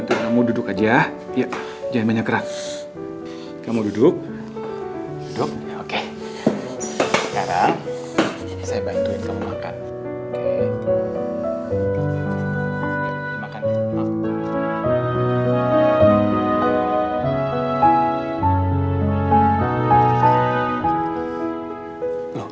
sekarang saya bantuin kamu makan